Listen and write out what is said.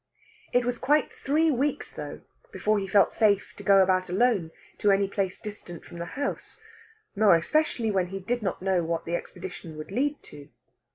It was quite three weeks, though, before he felt safe to go about alone to any place distant from the house, more especially when he did not know what the expedition would lead to.